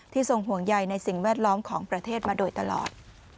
ทรงห่วงใยในสิ่งแวดล้อมของประเทศมาโดยตลอด